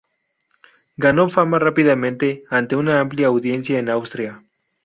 Ganó fama rápidamente ante una amplia audiencia en Austria.